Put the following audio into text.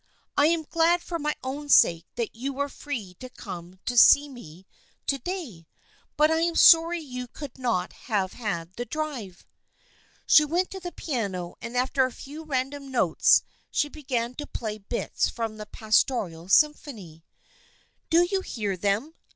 "I am glad for my own sake that you were free to come to see me to day, but I am sorry you could not have had the drive." She went to the piano and after a few random notes she began to play bits from the Pastoral Symphony. " Do you hear them